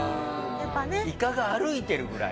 いかが歩いてるぐらい？